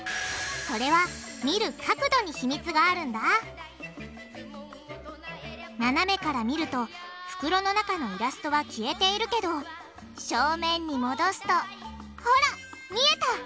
それは見る角度に秘密があるんだななめから見ると袋の中のイラストは消えているけど正面に戻すとほら見えた！